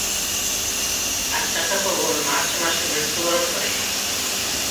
তার চাচাতো বোন মার্চ মাসে মৃত্যুবরণ করে।